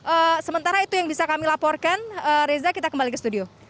eee sementara itu yang bisa kami laporkan reza kita kembali ke studio